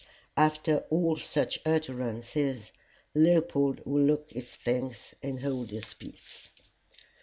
After all such utterances, Leopold would look his thanks, and hold his peace.